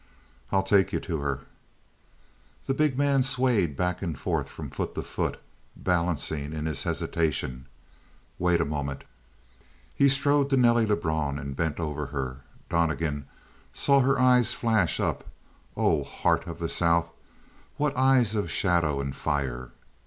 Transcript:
"I'll take you to her." The big man swayed back and forth from foot to foot, balancing in his hesitation. "Wait a moment." He strode to Nelly Lebrun and bent over her; Donnegan saw her eyes flash up oh, heart of the south, what eyes of shadow and fire!